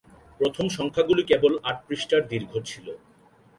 প্রথম সংখ্যাগুলি কেবল আট পৃষ্ঠার দীর্ঘ ছিল।